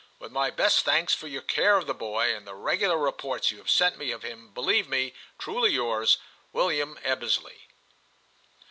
With my best thanks for your care of the boy and the regular reports you have sent me of him, believe me, truly yours, * William Ebbesley.'